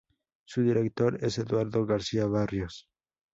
Su director es Eduardo García Barrios.